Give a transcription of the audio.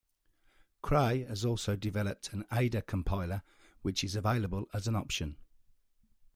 Cray has also developed an Ada compiler which is available as an option.